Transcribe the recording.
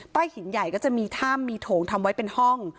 หินใหญ่ก็จะมีถ้ำมีโถงทำไว้เป็นห้อง